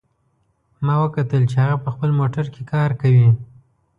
ما وکتل چې هغه په خپل موټر کې کار کوي